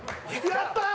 やったー！